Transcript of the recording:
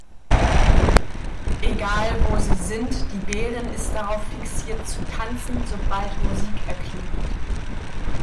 Egal wo sie sind, die Bärin ist darauf fixiert zu tanzen, sobald Musik erklingt.